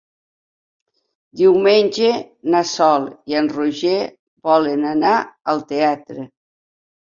Diumenge na Sol i en Roger volen anar al teatre.